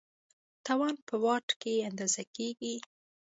توان په واټ کې اندازه کېږي.